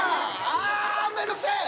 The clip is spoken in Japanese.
あめんどくせえ！